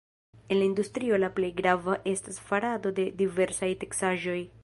En la industrio la plej grava estas farado de diversaj teksaĵoj.